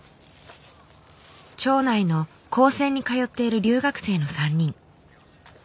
町内の高専に通っている留学生の３人。